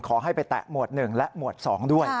ขอให้ไปแตะหมวด๑และหมวด๒ด้วย